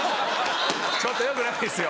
ちょっとよくないですよ。